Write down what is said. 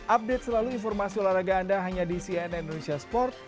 update selalu informasi olahraga anda hanya di cnn indonesia sport